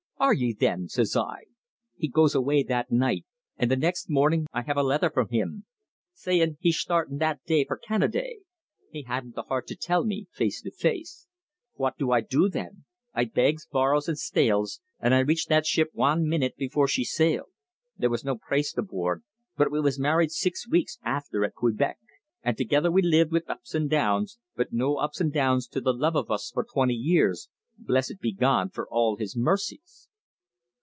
'Are ye, thin?' says I. He goes away that night, an' the next mornin' I have a lether from him, sayin' he's shtartin' that day for Canaday. He hadn't the heart to tell me to me face. Fwaht do I do thin? I begs, borrers, an' stales, an' I reached that ship wan minnit before she sailed. There was no praste aboord, but we was married six weeks afther at Quebec. And thegither we lived wid ups an' downs but no ups an' downs to the love of us for twenty years, blessed be God for all His mercies!"